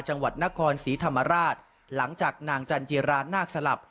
จังหวัดนครศรีธรรมราชหลังจากนางจันจิรานาคสลับ